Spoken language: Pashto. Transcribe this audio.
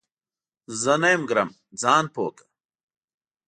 زه نه یم ګرم ، ځان پوه کړه !